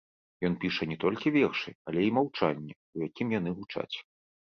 Ён піша не толькі вершы, але і маўчанне, у якім яны гучаць.